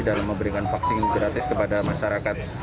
dalam memberikan vaksin gratis kepada masyarakat